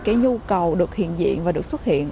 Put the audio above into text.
cái nhu cầu được hiện diện và được xuất hiện